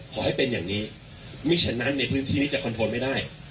ขอให้เป็นอย่างนี้ไม่ฉะนั้นในพื้นที่นี้จะคอนโทรไม่ได้